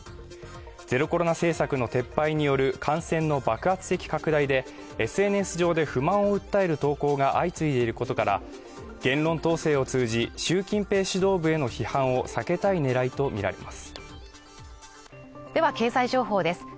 ゼロコロナ政策の撤廃による感染の爆発的拡大でＳＮＳ上で不満を訴える投稿が相次いでいることから言論統制を通じ習近平指導部への批判を避けたいねらいとみられます